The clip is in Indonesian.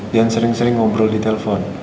jangan sering sering ngobrol di telfon